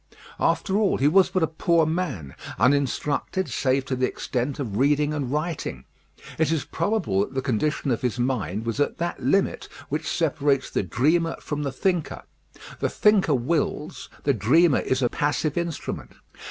After all, he was but a poor man; uninstructed, save to the extent of reading and writing. It is probable that the condition of his mind was at that limit which separates the dreamer from the thinker. The thinker wills, the dreamer is a passive instrument.